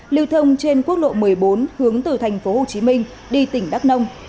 lưu thông trên quốc lộ một mươi bốn hướng từ thành phố hồ chí minh đi tỉnh đắk nông